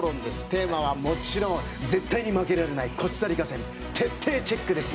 テーマは、もちろん絶対に負けられないコスタリカ戦徹底チェックです。